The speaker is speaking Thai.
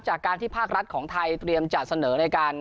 จากการที่ภาครัฐของไทยเตรียมจะเสนอในการ